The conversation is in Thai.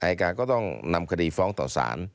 อายการก็ต้องนำคดีฟ้องต่อสาร